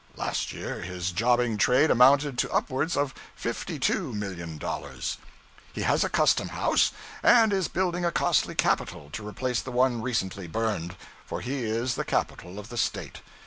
Last year his jobbing trade amounted to upwards of $52,000,000. He has a custom house, and is building a costly capitol to replace the one recently burned for he is the capital of the State.